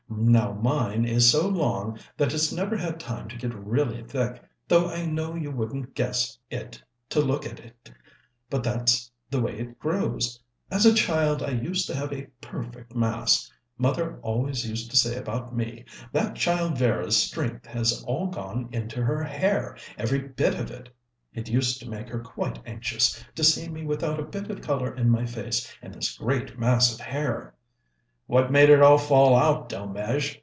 Now, mine is so long that it's never had time to get really thick, though I know you wouldn't guess it to look at it, but that's the way it grows. As a child I used to have a perfect mass. Mother always used to say about me, 'That child Vera's strength has all gone into her hair, every bit of it.' It used to make her quite anxious, to see me without a bit of colour in my face and this great mass of hair." "What made it all fall out, Delmege?"